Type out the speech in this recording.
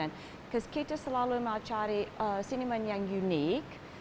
karena kita selalu mencari seniman yang unik